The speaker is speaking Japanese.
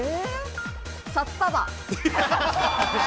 札束。